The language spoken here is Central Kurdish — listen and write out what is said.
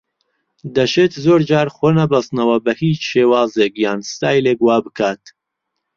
دەشێت زۆر جار خۆنەبەستنەوە بە هیچ شێوازێک یان ستایلێک وا بکات